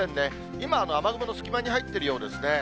今、雨雲の隙間に入っているようですね。